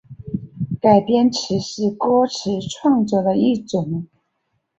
改编词是歌词创作的一种。